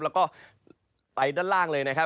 แล้วก็ไปด้านล่างเลยนะครับ